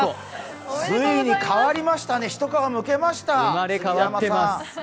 ついに変わりましたね、一皮むけました、杉山さん！